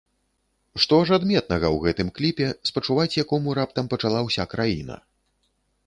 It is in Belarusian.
Што ж адметнага ў гэтым кліпе, спачуваць якому раптам пачала ўся краіна?